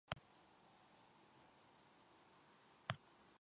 見つけた日と同じように駐車場まで来て、秘密基地に忍び込んだ。何日も過ごした。